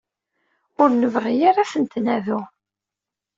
Ur nebɣi ara ad ten-nadu.